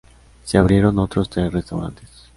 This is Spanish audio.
Se abrieron otros tres restaurantes.